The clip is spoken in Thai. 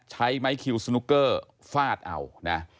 ใช้ไม้คิวสนุกเกอร์ฟาดเอานะ